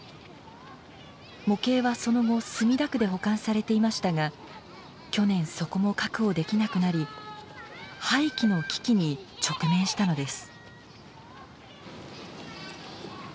模型はその後墨田区で保管されていましたが去年そこも確保できなくなり廃棄の危機に直面したのです。